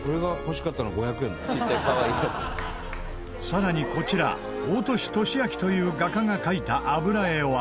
さらにこちら大歳敏秋という画家が描いた油絵は。